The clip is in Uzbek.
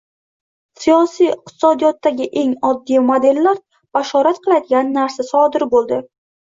Siyosiy iqtisodiyotdagi eng oddiy modellar bashorat qiladigan narsa sodir bo‘ldi.